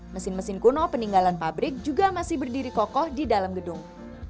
mesin mesin kuno peninggalan pabrik juga masih berdiri kokoh di dalam gedung